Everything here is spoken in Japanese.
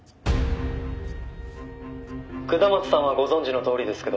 「下松さんはご存じのとおりですけど」